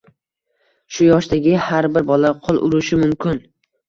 Shu yoshdagi har bir bola qoʻl urishi mumkin.